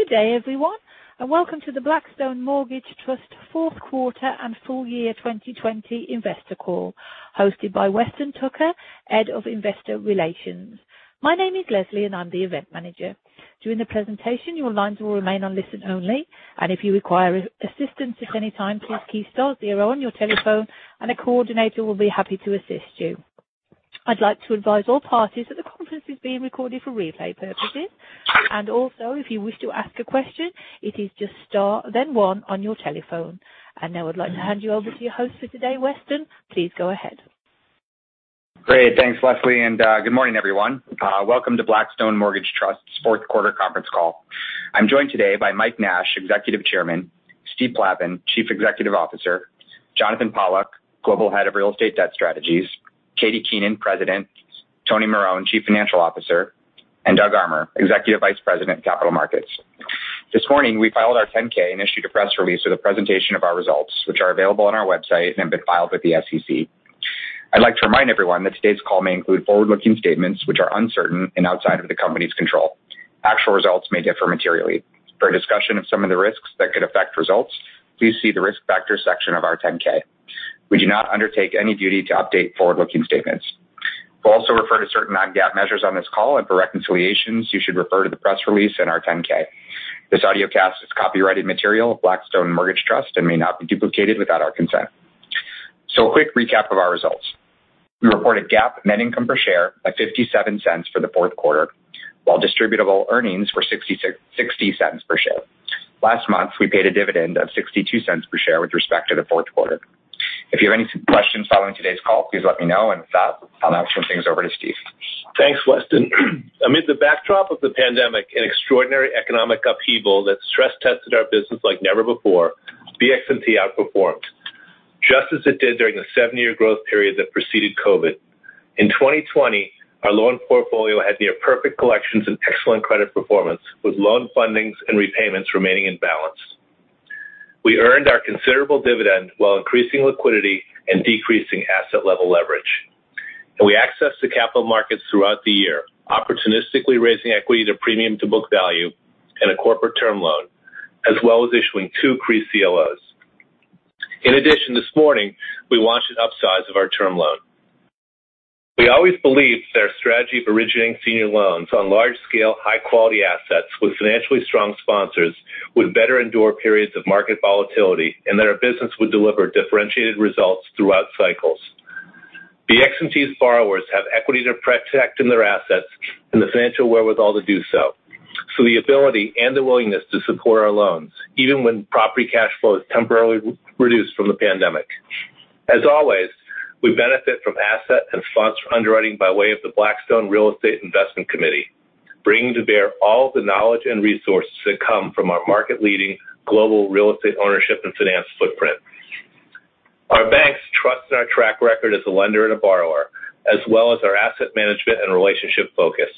Good day, everyone, and welcome to the Blackstone Mortgage Trust Fourth Quarter and Full Year 2020 Investor Call, hosted by Weston Tucker, Head of Investor Relations. My name is Lesley, and I'm the Event Manager. During the presentation, your lines will remain on listen-only, and if you require assistance at any time, please key star zero on your telephone, and a coordinator will be happy to assist you. I'd like to advise all parties that the conference is being recorded for replay purposes, and also, if you wish to ask a question, it is just star, then one, on your telephone. And now I'd like to hand you over to your host for today, Weston. Please go ahead. Great. Thanks, Lesley, and good morning, everyone. Welcome to Blackstone Mortgage Trust's Fourth Quarter Conference Call. I'm joined today by Mike Nash, Executive Chairman, Steve Plavin, Chief Executive Officer, Jonathan Pollack, Global Head of Real Estate Debt Strategies, Katie Keenan, President, Tony Marone, Chief Financial Officer, and Doug Armer, Executive Vice President of Capital Markets. This morning, we filed our 10-K and issued a press release with a presentation of our results, which are available on our website and have been filed with the SEC. I'd like to remind everyone that today's call may include forward-looking statements, which are uncertain and outside of the company's control. Actual results may differ materially. For a discussion of some of the risks that could affect results, please see the Risk Factors section of our 10-K. We do not undertake any duty to update forward-looking statements. We'll also refer to certain non-GAAP measures on this call, and for reconciliations, you should refer to the press release and our 10-K. This audiocast is copyrighted material of Blackstone Mortgage Trust and may not be duplicated without our consent. A quick recap of our results. We reported GAAP net income per share of $0.57 for the fourth quarter, while distributable earnings were $0.60 per share. Last month, we paid a dividend of $0.62 per share with respect to the fourth quarter. If you have any questions following today's call, please let me know, and if not, I'll now turn things over to Steve. Thanks, Weston. Amid the backdrop of the pandemic and extraordinary economic upheaval that stress-tested our business like never before, BXMT outperformed, just as it did during the seven-year growth period that preceded COVID. In 2020, our loan portfolio had near-perfect collections and excellent credit performance, with loan fundings and repayments remaining in balance. We earned our considerable dividend while increasing liquidity and decreasing asset-level leverage. And we accessed the capital markets throughout the year, opportunistically raising equity to premium-to-book value and a corporate term loan, as well as issuing two CRE CLOs. In addition, this morning, we launched an upsize of our term loan. We always believed that our strategy of originating senior loans on large-scale, high-quality assets with financially strong sponsors would better endure periods of market volatility and that our business would deliver differentiated results throughout cycles. BXMT's borrowers have equity to protect in their assets and the financial wherewithal to do so, so the ability and the willingness to support our loans, even when property cash flow is temporarily reduced from the pandemic. As always, we benefit from asset and sponsor underwriting by way of the Blackstone Real Estate Investment Committee, bringing to bear all the knowledge and resources that come from our market-leading global real estate ownership and finance footprint. Our banks trust in our track record as a lender and a borrower, as well as our asset management and relationship focus.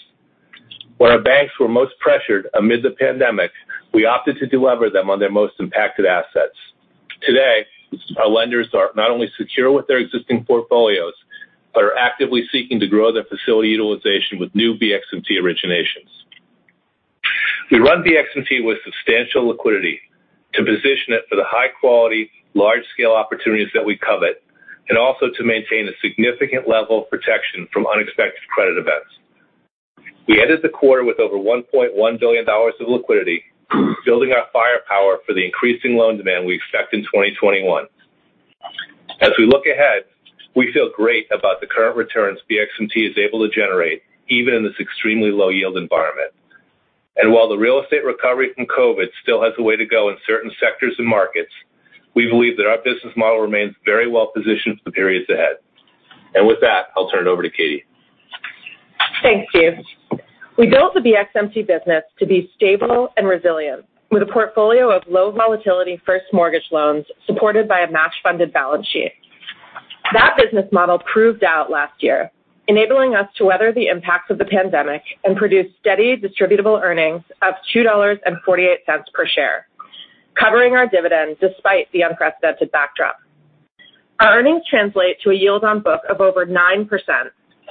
When our banks were most pressured amid the pandemic, we opted to deliver them on their most impacted assets. Today, our lenders are not only secure with their existing portfolios but are actively seeking to grow their facility utilization with new BXMT originations. We run BXMT with substantial liquidity to position it for the high-quality, large-scale opportunities that we covet and also to maintain a significant level of protection from unexpected credit events. We ended the quarter with over $1.1 billion of liquidity, building our firepower for the increasing loan demand we expect in 2021. As we look ahead, we feel great about the current returns BXMT is able to generate, even in this extremely low-yield environment. And while the real estate recovery from COVID still has a way to go in certain sectors and markets, we believe that our business model remains very well-positioned for the periods ahead. And with that, I'll turn it over to Katie. Thank you. We built the BXMT business to be stable and resilient, with a portfolio of low-volatility first mortgage loans supported by a match-funded balance sheet. That business model proved out last year, enabling us to weather the impacts of the pandemic and produce steady distributable earnings of $2.48 per share, covering our dividend despite the unprecedented backdrop. Our earnings translate to a yield on book of over 9%,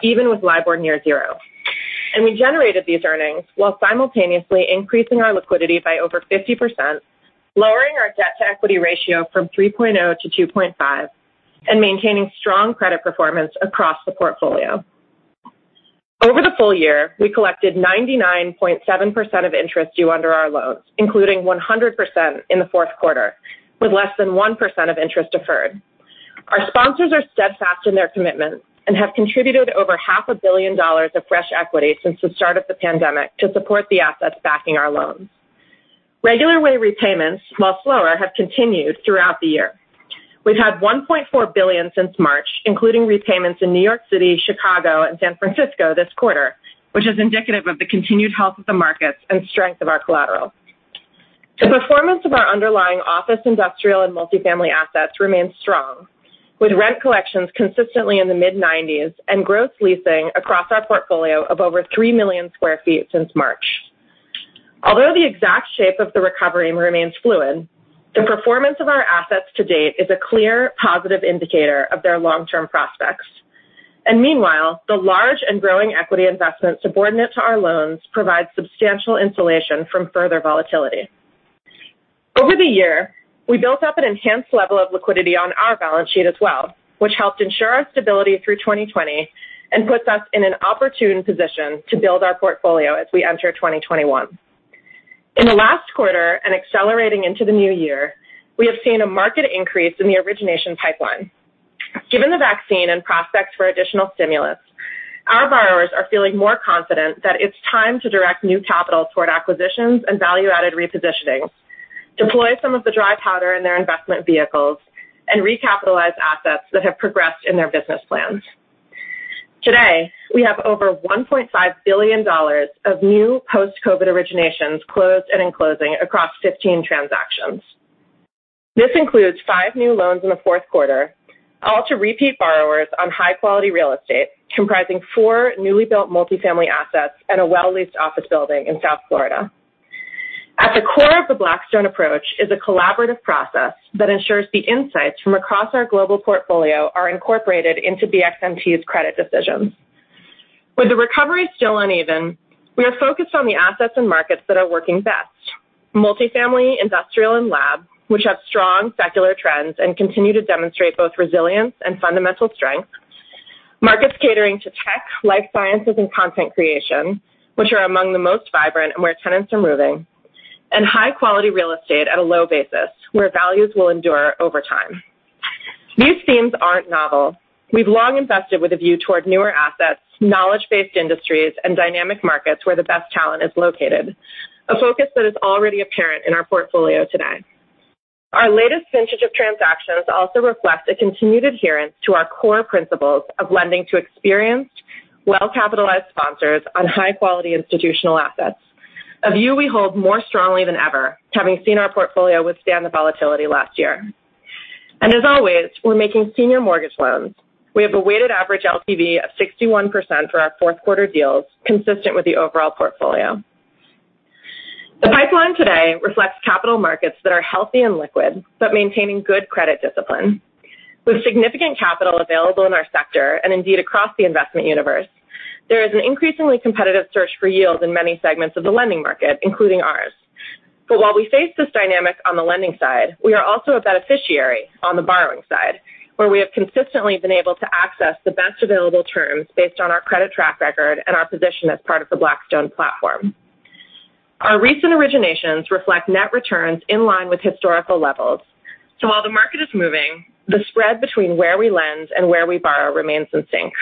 even with LIBOR near zero, and we generated these earnings while simultaneously increasing our liquidity by over 50%, lowering our debt-to-equity ratio from 3.0 to 2.5, and maintaining strong credit performance across the portfolio. Over the full year, we collected 99.7% of interest due under our loans, including 100% in the fourth quarter, with less than 1% of interest deferred. Our sponsors are steadfast in their commitment and have contributed over $500 million of fresh equity since the start of the pandemic to support the assets backing our loans. Regular way repayments, while slower, have continued throughout the year. We've had $1.4 billion since March, including repayments in New York City, Chicago, and San Francisco this quarter, which is indicative of the continued health of the markets and strength of our collateral. The performance of our underlying office, industrial, and multifamily assets remains strong, with rent collections consistently in the mid-90s and gross leasing across our portfolio of over 3 million sq ft since March. Although the exact shape of the recovery remains fluid, the performance of our assets to date is a clear positive indicator of their long-term prospects. And meanwhile, the large and growing equity investments subordinate to our loans provide substantial insulation from further volatility. Over the year, we built up an enhanced level of liquidity on our balance sheet as well, which helped ensure our stability through 2020 and puts us in an opportune position to build our portfolio as we enter 2021. In the last quarter and accelerating into the new year, we have seen a marked increase in the origination pipeline. Given the vaccine and prospects for additional stimulus, our borrowers are feeling more confident that it's time to direct new capital toward acquisitions and value-added repositioning, deploy some of the dry powder in their investment vehicles, and recapitalize assets that have progressed in their business plans. Today, we have over $1.5 billion of new post-COVID originations closed and closing across 15 transactions. This includes five new loans in the fourth quarter, all to repeat borrowers on high-quality real estate, comprising four newly built multifamily assets and a well-leased office building in South Florida. At the core of the Blackstone approach is a collaborative process that ensures the insights from across our global portfolio are incorporated into BXMT's credit decisions. With the recovery still uneven, we are focused on the assets and markets that are working best: multifamily, industrial, and lab, which have strong secular trends and continue to demonstrate both resilience and fundamental strength, markets catering to tech, life sciences, and content creation, which are among the most vibrant and where tenants are moving, and high-quality real estate at a low basis, where values will endure over time. These themes aren't novel. We've long invested with a view toward newer assets, knowledge-based industries, and dynamic markets where the best talent is located, a focus that is already apparent in our portfolio today. Our latest vintage of transactions also reflects a continued adherence to our core principles of lending to experienced, well-capitalized sponsors on high-quality institutional assets, a view we hold more strongly than ever, having seen our portfolio withstand the volatility last year. And as always, we're making senior mortgage loans. We have a weighted average LTV of 61% for our fourth-quarter deals, consistent with the overall portfolio. The pipeline today reflects capital markets that are healthy and liquid but maintaining good credit discipline. With significant capital available in our sector and indeed across the investment universe, there is an increasingly competitive search for yield in many segments of the lending market, including ours. But while we face this dynamic on the lending side, we are also a beneficiary on the borrowing side, where we have consistently been able to access the best available terms based on our credit track record and our position as part of the Blackstone platform. Our recent originations reflect net returns in line with historical levels, so while the market is moving, the spread between where we lend and where we borrow remains in sync.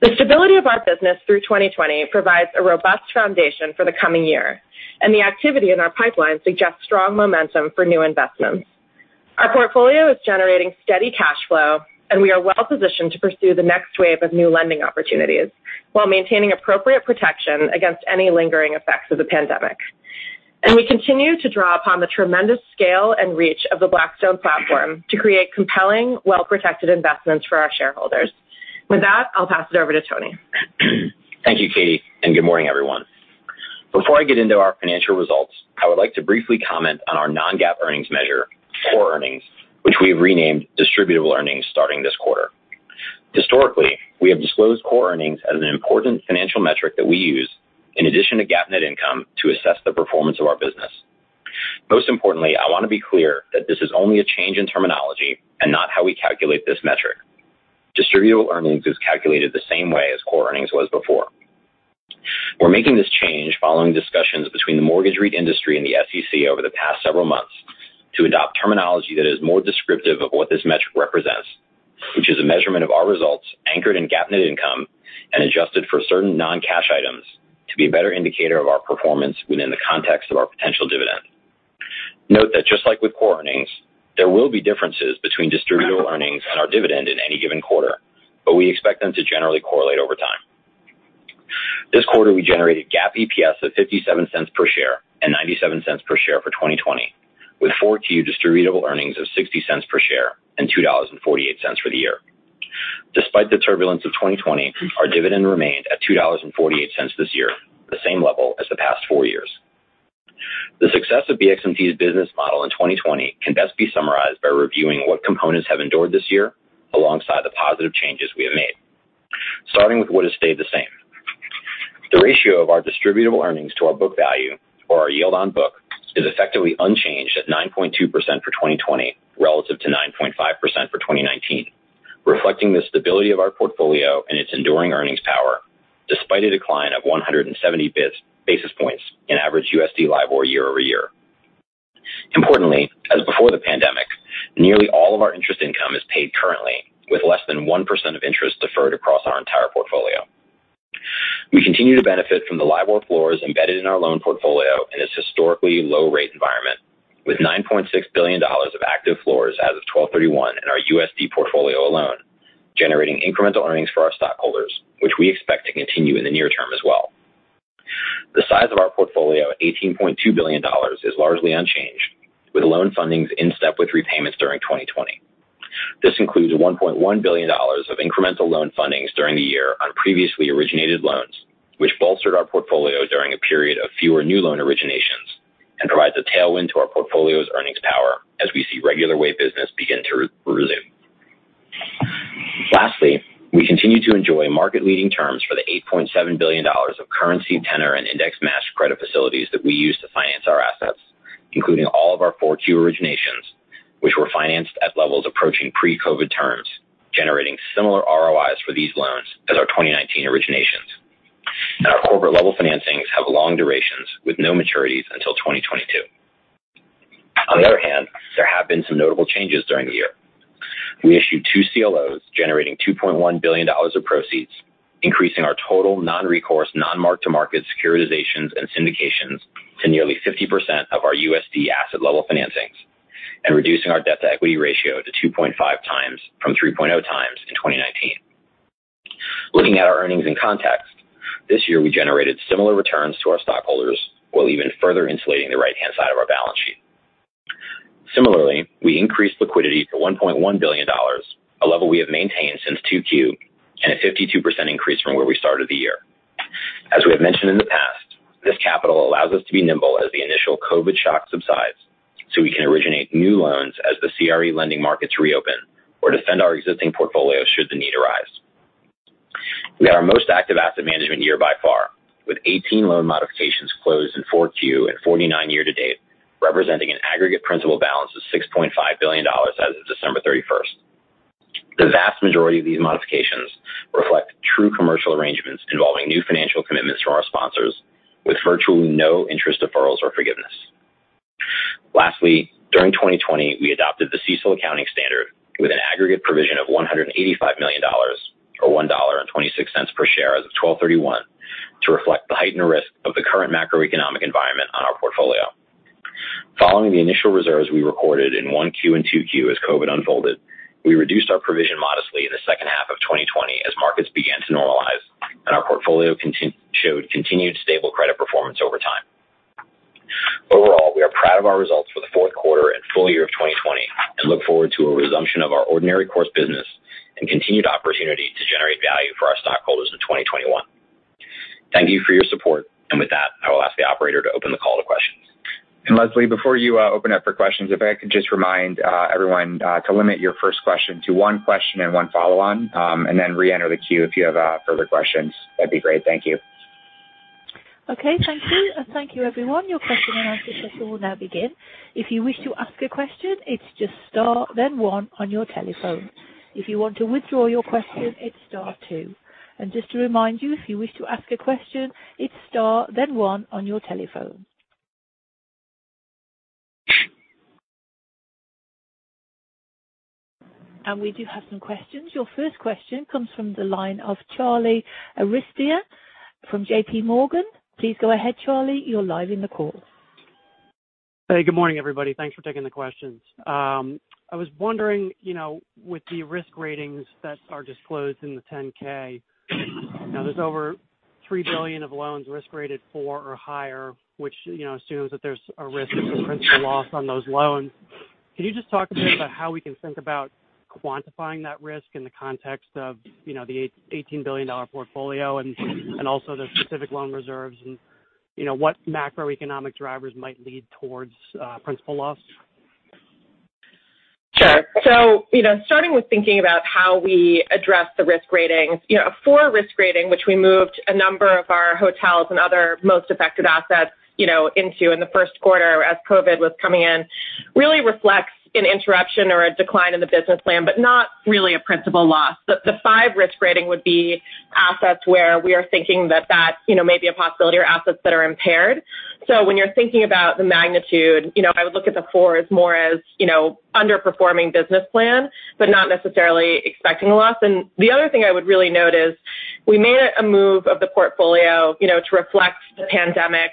The stability of our business through 2020 provides a robust foundation for the coming year, and the activity in our pipeline suggests strong momentum for new investments. Our portfolio is generating steady cash flow, and we are well-positioned to pursue the next wave of new lending opportunities while maintaining appropriate protection against any lingering effects of the pandemic. We continue to draw upon the tremendous scale and reach of the Blackstone platform to create compelling, well-protected investments for our shareholders. With that, I'll pass it over to Tony. Thank you, Katie, and good morning, everyone. Before I get into our financial results, I would like to briefly comment on our non-GAAP earnings measure, core earnings, which we have renamed distributable earnings starting this quarter. Historically, we have disclosed core earnings as an important financial metric that we use, in addition to GAAP net income, to assess the performance of our business. Most importantly, I want to be clear that this is only a change in terminology and not how we calculate this metric. Distributable earnings is calculated the same way as core earnings was before. We're making this change following discussions between the mortgage REIT industry and the SEC over the past several months to adopt terminology that is more descriptive of what this metric represents, which is a measurement of our results anchored in GAAP net income and adjusted for certain non-cash items to be a better indicator of our performance within the context of our potential dividend. Note that just like with core earnings, there will be differences between distributable earnings and our dividend in any given quarter, but we expect them to generally correlate over time. This quarter, we generated GAAP EPS of $0.57 per share and $0.97 per share for 2020, with Q4 distributable earnings of $0.60 per share and $2.48 for the year. Despite the turbulence of 2020, our dividend remained at $2.48 this year, the same level as the past four years. The success of BXMT's business model in 2020 can best be summarized by reviewing what components have endured this year alongside the positive changes we have made, starting with what has stayed the same. The ratio of our distributable earnings to our book value, or our yield on book, is effectively unchanged at 9.2% for 2020 relative to 9.5% for 2019, reflecting the stability of our portfolio and its enduring earnings power despite a decline of 170 basis points in average USD LIBOR year-over-year. Importantly, as before the pandemic, nearly all of our interest income is paid currently, with less than 1% of interest deferred across our entire portfolio. We continue to benefit from the LIBOR floors embedded in our loan portfolio in this historically low-rate environment, with $9.6 billion of active floors as of 12/31 in our USD portfolio alone, generating incremental earnings for our stockholders, which we expect to continue in the near term as well. The size of our portfolio at $18.2 billion is largely unchanged, with loan fundings in step with repayments during 2020. This includes $1.1 billion of incremental loan fundings during the year on previously originated loans, which bolstered our portfolio during a period of fewer new loan originations and provides a tailwind to our portfolio's earnings power as we see regular way business begin to resume. Lastly, we continue to enjoy market-leading terms for the $8.7 billion of currency, tenor, and index matched credit facilities that we use to finance our assets, including all of our 4Q originations, which were financed at levels approaching pre-COVID terms, generating similar ROIs for these loans as our 2019 originations, and our corporate-level financings have long durations with no maturities until 2022. On the other hand, there have been some notable changes during the year. We issued two CLOs, generating $2.1 billion of proceeds, increasing our total non-recourse, non-mark-to-market securitizations and syndications to nearly 50% of our USD asset-level financings and reducing our debt-to-equity ratio to 2.5 times from 3.0 times in 2019. Looking at our earnings in context, this year we generated similar returns to our stockholders, while even further insulating the right-hand side of our balance sheet. Similarly, we increased liquidity to $1.1 billion, a level we have maintained since 2Q, and a 52% increase from where we started the year. As we have mentioned in the past, this capital allows us to be nimble as the initial COVID shock subsides, so we can originate new loans as the CRE lending markets reopen or defend our existing portfolio should the need arise. We had our most active asset management year by far, with 18 loan modifications closed in 4Q and 49 year-to-date, representing an aggregate principal balance of $6.5 billion as of December 31st. The vast majority of these modifications reflect true commercial arrangements involving new financial commitments from our sponsors, with virtually no interest deferrals or forgiveness. Lastly, during 2020, we adopted the CECL accounting standard with an aggregate provision of $185 million, or $1.26 per share as of December 31, to reflect the heightened risk of the current macroeconomic environment on our portfolio. Following the initial reserves we recorded in Q1 and Q2 as COVID unfolded, we reduced our provision modestly in the second half of 2020 as markets began to normalize, and our portfolio showed continued stable credit performance over time. Overall, we are proud of our results for the fourth quarter and full year of 2020 and look forward to a resumption of our ordinary course business and continued opportunity to generate value for our stockholders in 2021. Thank you for your support, and with that, I will ask the operator to open the call to questions. Lesley, before you open up for questions, if I could just remind everyone to limit your first question to one question and one follow-on, and then re-enter the queue if you have further questions. That'd be great. Thank you. Okay. Thank you. Thank you, everyone. Your question-and answer session will now begin. If you wish to ask a question, it's just star then one on your telephone. If you want to withdraw your question, it's star two. And just to remind you, if you wish to ask a question, it's star then one on your telephone. And we do have some questions. Your first question comes from the line of Charlie Arestia from JPMorgan. Please go ahead, Charlie. You're live in the call. Hey, good morning, everybody. Thanks for taking the questions. I was wondering, with the risk ratings that are disclosed in the 10-K, there's over $3 billion of loans risk-rated four or higher, which assumes that there's a risk of principal loss on those loans. Can you just talk a bit about how we can think about quantifying that risk in the context of the $18 billion portfolio and also the specific loan reserves and what macroeconomic drivers might lead towards principal loss? Sure. So starting with thinking about how we address the risk ratings, a four risk rating, which we moved a number of our hotels and other most affected assets into in the first quarter as COVID was coming in, really reflects an interruption or a decline in the business plan, but not really a principal loss. The five risk rating would be assets where we are thinking that that may be a possibility or assets that are impaired. So when you're thinking about the magnitude, I would look at the fours more as underperforming business plan, but not necessarily expecting a loss. And the other thing I would really note is we made a move of the portfolio to reflect the pandemic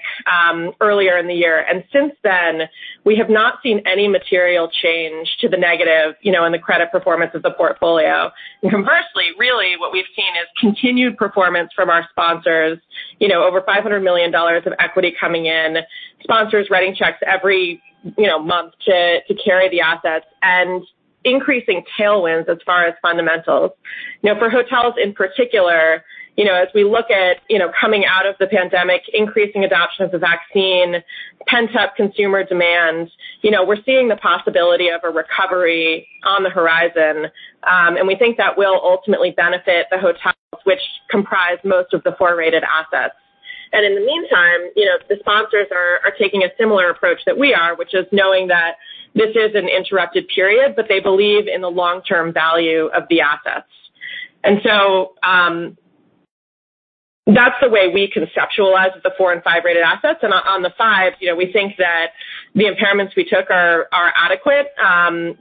earlier in the year. And since then, we have not seen any material change to the negative in the credit performance of the portfolio. And conversely, really, what we've seen is continued performance from our sponsors, over $500 million of equity coming in, sponsors writing checks every month to carry the assets, and increasing tailwinds as far as fundamentals. For hotels in particular, as we look at coming out of the pandemic, increasing adoption of the vaccine, pent-up consumer demand, we're seeing the possibility of a recovery on the horizon, and we think that will ultimately benefit the hotels, which comprise most of the four-rated assets. And in the meantime, the sponsors are taking a similar approach that we are, which is knowing that this is an interrupted period, but they believe in the long-term value of the assets. And so that's the way we conceptualize the four and five-rated assets. And on the five, we think that the impairments we took are adequate.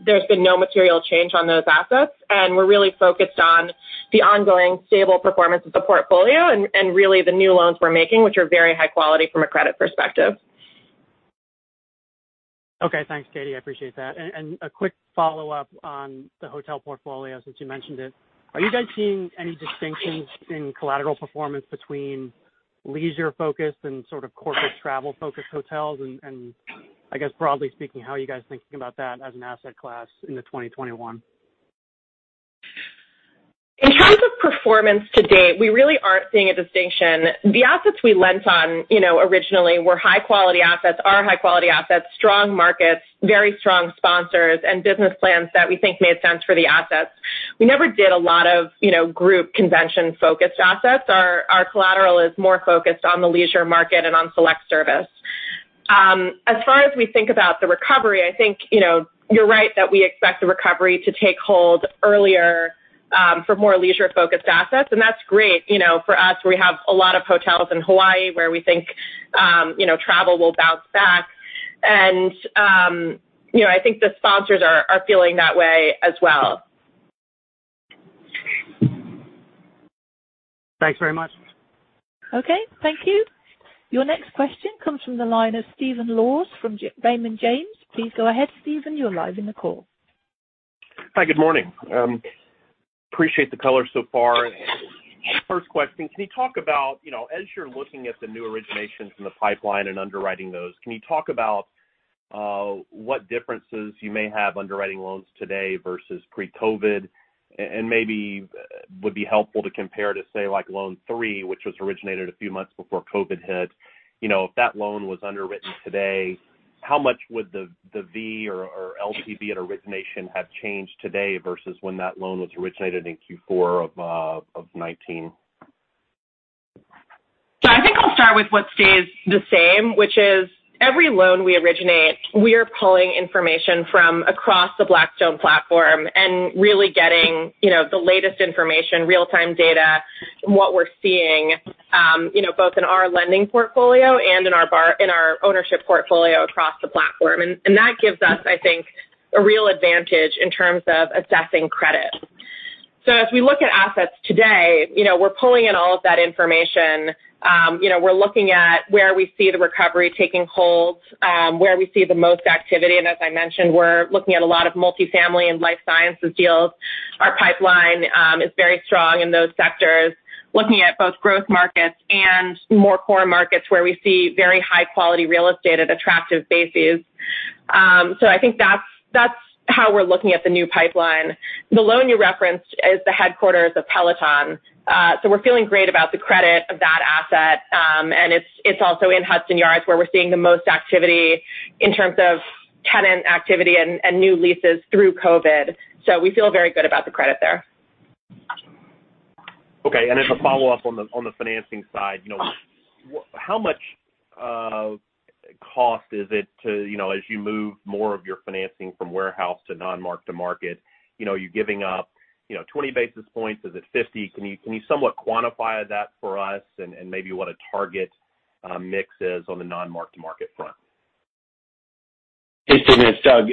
There's been no material change on those assets, and we're really focused on the ongoing stable performance of the portfolio and really the new loans we're making, which are very high quality from a credit perspective. Okay. Thanks, Katie. I appreciate that. And a quick follow-up on the hotel portfolio, since you mentioned it. Are you guys seeing any distinctions in collateral performance between leisure-focused and sort of corporate travel-focused hotels? And I guess, broadly speaking, how are you guys thinking about that as an asset class in 2021? In terms of performance to date, we really aren't seeing a distinction. The assets we lent on originally were high-quality assets, our high-quality assets, strong markets, very strong sponsors, and business plans that we think made sense for the assets. We never did a lot of group convention-focused assets. Our collateral is more focused on the leisure market and on select service. As far as we think about the recovery, I think you're right that we expect the recovery to take hold earlier for more leisure-focused assets. And that's great for us. We have a lot of hotels in Hawaii where we think travel will bounce back. And I think the sponsors are feeling that way as well. Thanks very much. Okay. Thank you. Your next question comes from the line of Stephen Laws from Raymond James. Please go ahead, Stephen. You're live in the call. Hi. Good morning. Appreciate the color so far. First question, can you talk about, as you're looking at the new originations in the pipeline and underwriting those, can you talk about what differences you may have underwriting loans today versus pre-COVID? And maybe it would be helpful to compare to, say, Loan 3, which was originated a few months before COVID hit. If that loan was underwritten today, how much would the LTV at origination have changed today versus when that loan was originated in Q4 of 2019? So I think I'll start with what stays the same, which is every loan we originate, we are pulling information from across the Blackstone platform and really getting the latest information, real-time data, what we're seeing both in our lending portfolio and in our ownership portfolio across the platform, and that gives us, I think, a real advantage in terms of assessing credit, so as we look at assets today, we're pulling in all of that information. We're looking at where we see the recovery taking hold, where we see the most activity, and as I mentioned, we're looking at a lot of multifamily and life sciences deals. Our pipeline is very strong in those sectors, looking at both growth markets and more core markets where we see very high-quality real estate at attractive bases, so I think that's how we're looking at the new pipeline. The loan you referenced is the headquarters of Peloton. So we're feeling great about the credit of that asset. And it's also in Hudson Yards where we're seeing the most activity in terms of tenant activity and new leases through COVID. So we feel very good about the credit there. Okay, and as a follow-up on the financing side, how much cost is it as you move more of your financing from warehouse to non-mark-to-market? Are you giving up 20 basis points? Is it 50? Can you somewhat quantify that for us and maybe what a target mix is on the non-mark-to-market front? Hey, Stephen and Doug.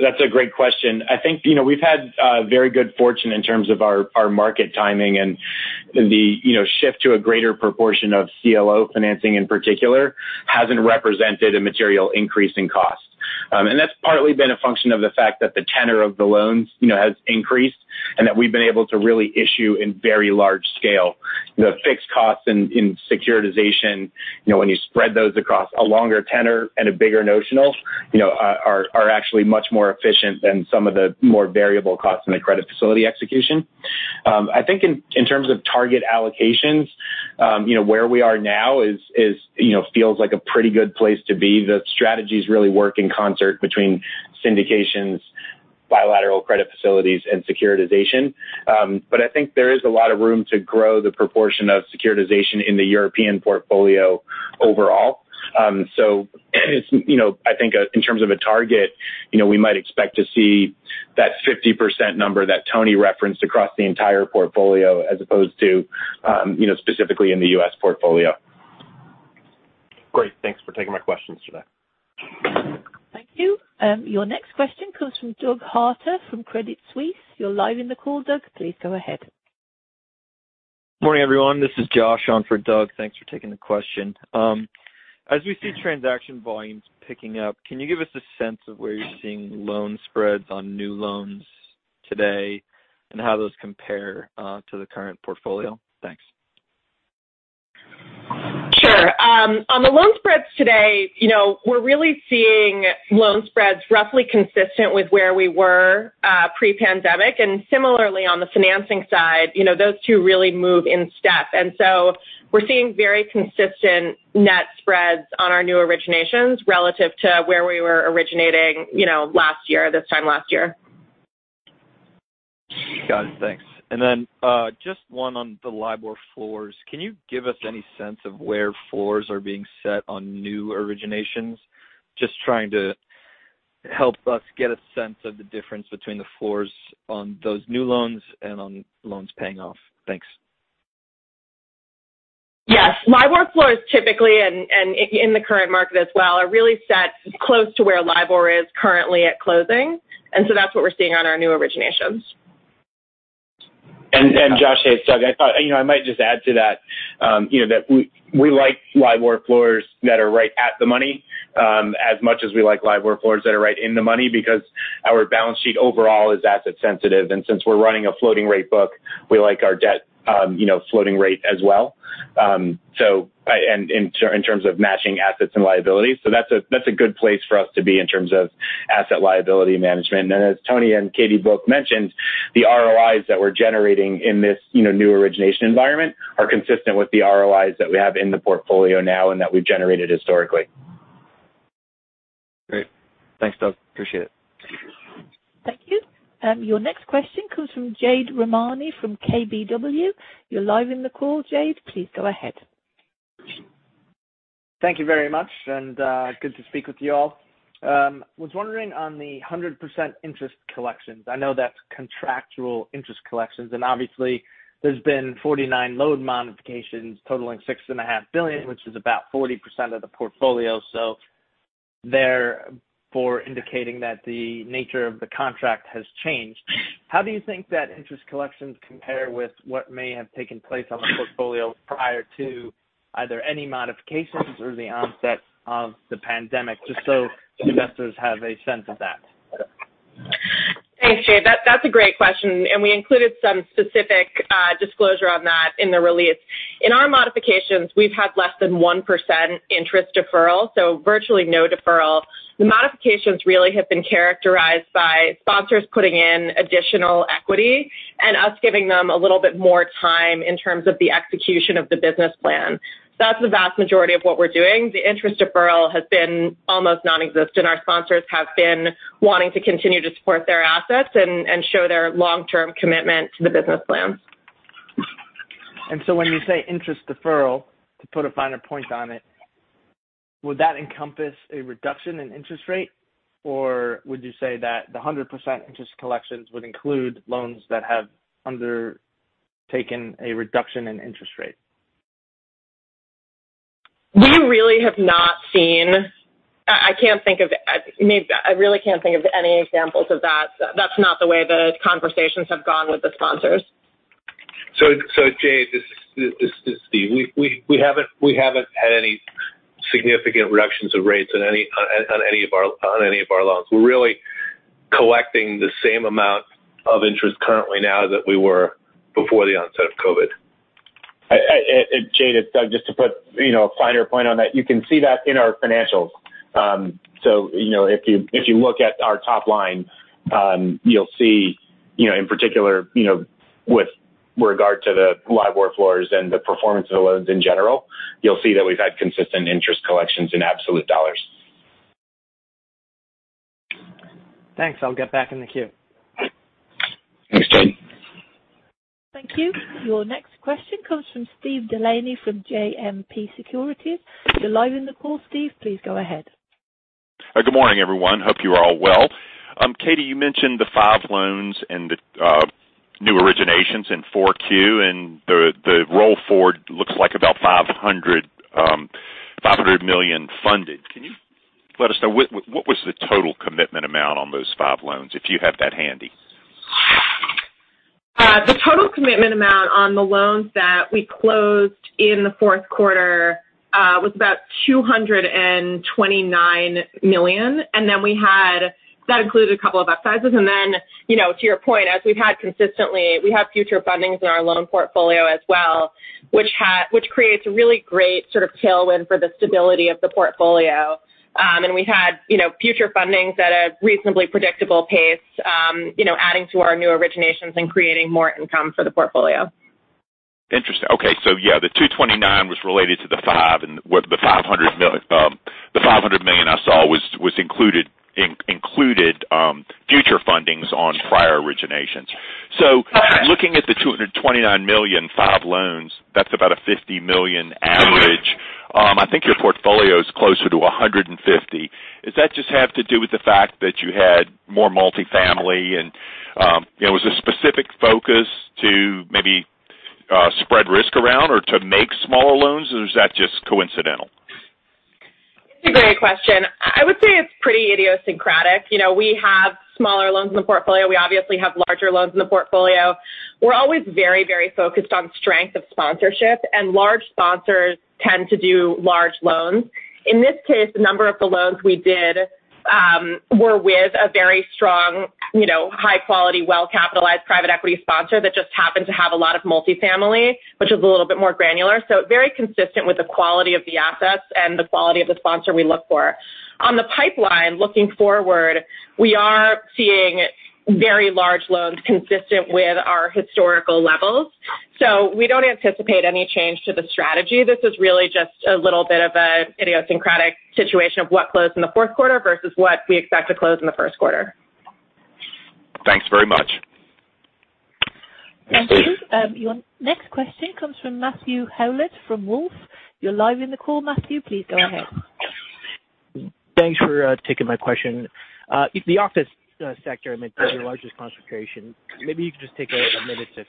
That's a great question. I think we've had very good fortune in terms of our market timing, and the shift to a greater proportion of CLO financing in particular hasn't represented a material increase in cost, and that's partly been a function of the fact that the tenor of the loans has increased and that we've been able to really issue in very large scale. The fixed costs in securitization, when you spread those across a longer tenor and a bigger notional, are actually much more efficient than some of the more variable costs in the credit facility execution. I think in terms of target allocations, where we are now feels like a pretty good place to be. The strategies really work in concert between syndications, bilateral credit facilities, and securitization. But I think there is a lot of room to grow the proportion of securitization in the European portfolio overall. So I think in terms of a target, we might expect to see that 50% number that Tony referenced across the entire portfolio as opposed to specifically in the U.S. portfolio. Great. Thanks for taking my questions today. Thank you. Your next question comes from Doug Harter from Credit Suisse. You're live in the call, Doug. Please go ahead. Morning, everyone. This is Josh on for Doug. Thanks for taking the question. As we see transaction volumes picking up, can you give us a sense of where you're seeing loan spreads on new loans today and how those compare to the current portfolio? Thanks. Sure. On the loan spreads today, we're really seeing loan spreads roughly consistent with where we were pre-pandemic. And similarly, on the financing side, those two really move in step. And so we're seeing very consistent net spreads on our new originations relative to where we were originating last year, this time last year. Got it. Thanks, and then just one on the LIBOR floors. Can you give us any sense of where floors are being set on new originations? Just trying to help us get a sense of the difference between the floors on those new loans and on loans paying off. Thanks. Yes. LIBOR floors typically, and in the current market as well, are really set close to where LIBOR is currently at closing. And so that's what we're seeing on our new originations. Josh, hey, it's Doug. I thought I might just add to that that we like LIBOR floors that are right at the money as much as we like LIBOR floors that are right in the money because our balance sheet overall is asset-sensitive. And since we're running a floating rate book, we like our debt floating rate as well in terms of matching assets and liabilities. So that's a good place for us to be in terms of asset liability management. And as Tony and Katie both mentioned, the ROIs that we're generating in this new origination environment are consistent with the ROIs that we have in the portfolio now and that we've generated historically. Great. Thanks, Doug. Appreciate it. Thank you. Your next question comes from Jade Rahmani from KBW. You're live in the call, Jade. Please go ahead. Thank you very much, and good to speak with you all. I was wondering on the 100% interest collections. I know that's contractual interest collections. And obviously, there's been 49 loan modifications totaling $6.5 billion, which is about 40% of the portfolio. So therefore indicating that the nature of the contract has changed. How do you think that interest collections compare with what may have taken place on the portfolio prior to either any modifications or the onset of the pandemic, just so investors have a sense of that? Thanks, Jade. That's a great question. And we included some specific disclosure on that in the release. In our modifications, we've had less than 1% interest deferral, so virtually no deferral. The modifications really have been characterized by sponsors putting in additional equity and us giving them a little bit more time in terms of the execution of the business plan. That's the vast majority of what we're doing. The interest deferral has been almost nonexistent. Our sponsors have been wanting to continue to support their assets and show their long-term commitment to the business plans. And so when you say interest deferral, to put a finer point on it, would that encompass a reduction in interest rate, or would you say that the 100% interest collections would include loans that have undertaken a reduction in interest rate? We really have not seen. I can't think of. I really can't think of any examples of that. That's not the way the conversations have gone with the sponsors. So, Jade, this is Steve. We haven't had any significant reductions of rates on any of our loans. We're really collecting the same amount of interest currently now as we were before the onset of COVID. Jade, it's Doug. Just to put a finer point on that, you can see that in our financials, so if you look at our top line, you'll see, in particular, with regard to the LIBOR floors and the performance of the loans in general, you'll see that we've had consistent interest collections in absolute dollars. Thanks. I'll get back in the queue. Thank you. Your next question comes from Steve Delaney from JMP Securities. You're live in the call, Steve. Please go ahead. Good morning, everyone. Hope you are all well. Katie, you mentioned the five loans and the new originations and 4Q, and the roll forward looks like about $500 million funded. Can you let us know what was the total commitment amount on those five loans, if you have that handy? The total commitment amount on the loans that we closed in the fourth quarter was about $229 million, and then we had, that included a couple of upsizes, and then, to your point, as we've had consistently, we have future fundings in our loan portfolio as well, which creates a really great sort of tailwind for the stability of the portfolio, and we've had future fundings at a reasonably predictable pace, adding to our new originations and creating more income for the portfolio. Interesting. Okay. So yeah, the $229 million was related to the five. And the $500 million I saw was included future fundings on prior originations. So looking at the $229 million, five loans, that's about a $50 million average. I think your portfolio is closer to $150 million. Does that just have to do with the fact that you had more multifamily? And was there a specific focus to maybe spread risk around or to make smaller loans, or is that just coincidental? It's a great question. I would say it's pretty idiosyncratic. We have smaller loans in the portfolio. We obviously have larger loans in the portfolio. We're always very, very focused on strength of sponsorship. And large sponsors tend to do large loans. In this case, the number of the loans we did were with a very strong, high-quality, well-capitalized private equity sponsor that just happened to have a lot of multifamily, which is a little bit more granular. So very consistent with the quality of the assets and the quality of the sponsor we look for. On the pipeline, looking forward, we are seeing very large loans consistent with our historical levels. So we don't anticipate any change to the strategy. This is really just a little bit of an idiosyncratic situation of what closed in the fourth quarter versus what we expect to close in the first quarter. Thanks very much. Thanks, Steve. Your next question comes from Matthew Howlett from Wolfe. You're live in the call, Matthew. Please go ahead. Thanks for taking my question. The office sector, I mean, is your largest concentration. Maybe you can just take a minute to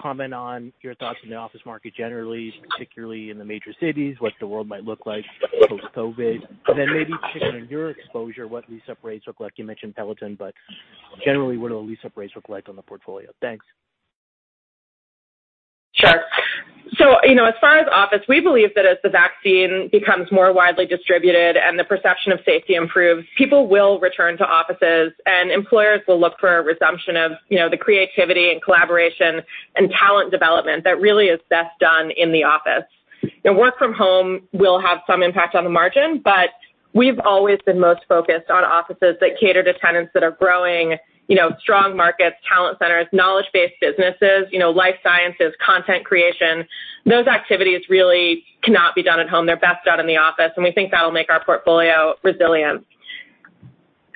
comment on your thoughts on the office market generally, particularly in the major cities, what the world might look like post-COVID, and then maybe taking your exposure, what lease-up rates look like. You mentioned Peloton, but generally, what do the lease-up rates look like on the portfolio? Thanks. Sure. So as far as office, we believe that as the vaccine becomes more widely distributed and the perception of safety improves, people will return to offices. And employers will look for a resumption of the creativity and collaboration and talent development that really is best done in the office. Now, work from home will have some impact on the margin, but we've always been most focused on offices that cater to tenants that are growing, strong markets, talent centers, knowledge-based businesses, life sciences, content creation. Those activities really cannot be done at home. They're best done in the office. And we think that'll make our portfolio resilient.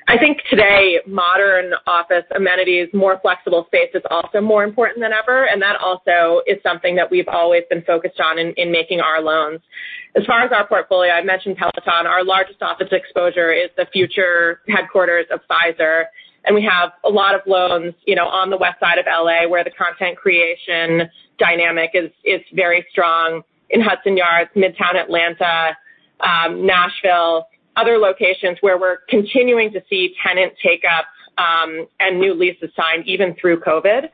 I think today, modern office amenities, more flexible space is also more important than ever. And that also is something that we've always been focused on in making our loans. As far as our portfolio, I've mentioned Peloton. Our largest office exposure is the future headquarters of Pfizer, and we have a lot of loans on the Westside of LA where the content creation dynamic is very strong in Hudson Yards, Midtown Atlanta, Nashville, other locations where we're continuing to see tenant take-up and new leases signed even through COVID,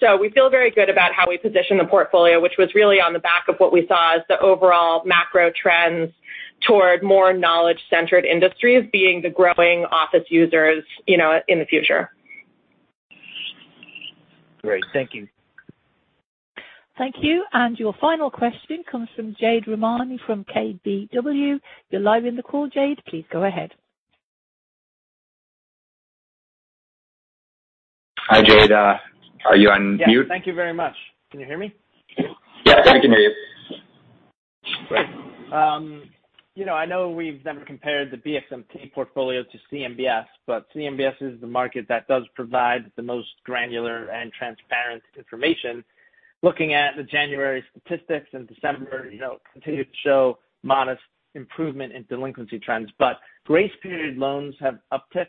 so we feel very good about how we position the portfolio, which was really on the back of what we saw as the overall macro trends toward more knowledge-centered industries being the growing office users in the future. Great. Thank you. Thank you, and your final question comes from Jade Rahmani from KBW. You're live in the call, Jade. Please go ahead. Hi, Jade. Are you on mute? Yeah. Thank you very much. Can you hear me? Yes, we can hear you. Great. I know we've never compared the BXMT portfolio to CMBS, but CMBS is the market that does provide the most granular and transparent information. Looking at the January statistics and December, it continues to show modest improvement in delinquency trends, but grace period loans have upticked,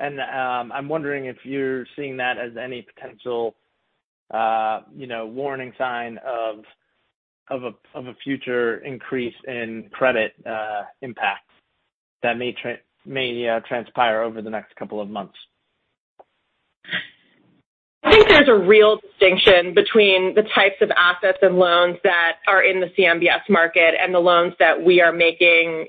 and I'm wondering if you're seeing that as any potential warning sign of a future increase in credit impact that may transpire over the next couple of months. I think there's a real distinction between the types of assets and loans that are in the CMBS market and the loans that we are making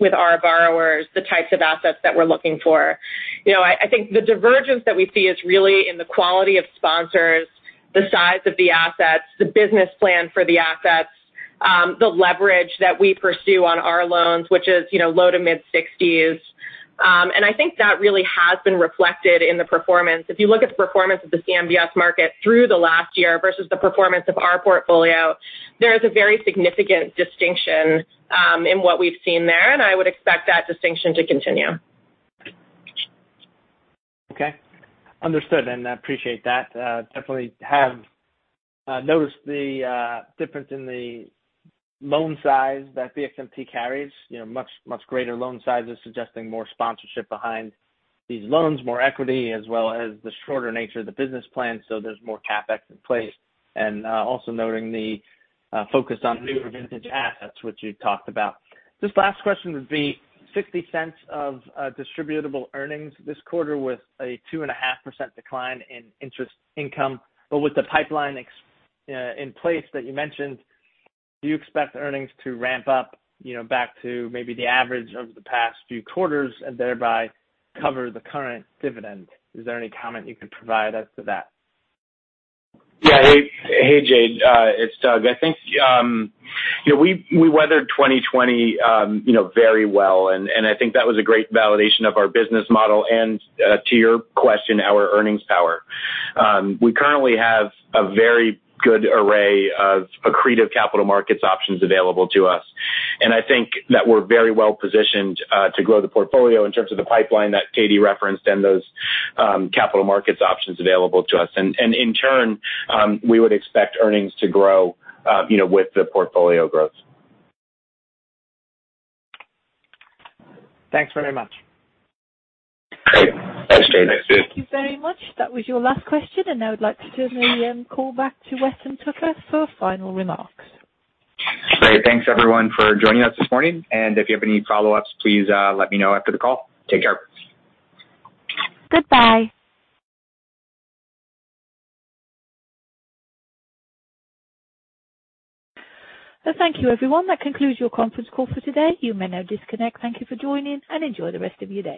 with our borrowers, the types of assets that we're looking for. I think the divergence that we see is really in the quality of sponsors, the size of the assets, the business plan for the assets, the leverage that we pursue on our loans, which is low to mid-60s. And I think that really has been reflected in the performance. If you look at the performance of the CMBS market through the last year versus the performance of our portfolio, there is a very significant distinction in what we've seen there. And I would expect that distinction to continue. Okay. Understood, and I appreciate that. Definitely have noticed the difference in the loan size that BXMT carries. Much greater loan sizes suggesting more sponsorship behind these loans, more equity, as well as the shorter nature of the business plan, so there's more CapEx in place. And also noting the focus on new or vintage assets, which you talked about. This last question would be $0.60 of distributable earnings this quarter with a 2.5% decline in interest income, but with the pipeline in place that you mentioned, do you expect earnings to ramp up back to maybe the average over the past few quarters and thereby cover the current dividend? Is there any comment you could provide us to that? Yeah. Hey, Jade. It's Doug. I think we weathered 2020 very well, and I think that was a great validation of our business model and to your question, our earnings power. We currently have a very good array of accretive capital markets options available to us, and I think that we're very well positioned to grow the portfolio in terms of the pipeline that Katie referenced and those capital markets options available to us, and in turn, we would expect earnings to grow with the portfolio growth. Thanks very much. Thanks, Jade. Thank you very much. That was your last question. And now I'd like to turn the call back to Weston Tucker for final remarks. Great. Thanks, everyone, for joining us this morning. And if you have any follow-ups, please let me know after the call. Take care. Goodbye. And thank you, everyone. That concludes your conference call for today. You may now disconnect. Thank you for joining, and enjoy the rest of your day.